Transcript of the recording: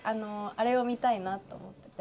これを見たいなと思ってて。